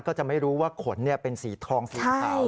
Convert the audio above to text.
ก็จะไม่รู้ว่าขนเป็นสีทองสีขาว